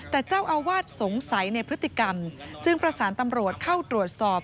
แต่เจ้าอาวาสสงสัยในพฤติกรรมจึงประสานตำรวจเข้าตรวจสอบ